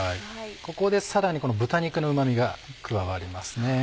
ここでさらにこの豚肉のうま味が加わりますね。